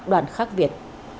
đoàn khắc việt